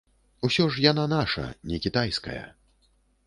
Усё ж яна наша, не кітайская.